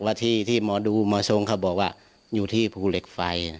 ว่าที่ที่หมอดูหมอทรงเขาบอกว่าอยู่ที่ภูเหล็กไฟ